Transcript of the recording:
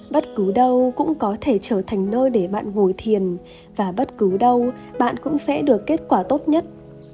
bất cứ đâu cũng có thể trở thành nơi để bạn ngồi thiền và bất cứ đâu bạn cũng sẽ được kết quả tốt nhất